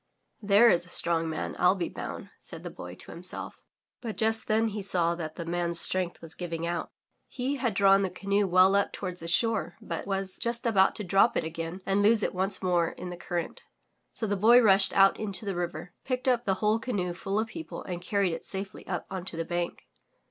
* There is a strong man, I'll be bound, '* said the Boy to him self. But just then he saw that the man's strength was giving out. He had drawn the cance well up toward the shore, but was just about to drop it again and lose it once more in the cur rent. So the Boy rushed out into the river, picked up the whole canoe full of people and carried it safely up onto the bank.